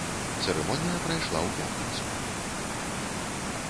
Цырымонія прайшла ў пятніцу.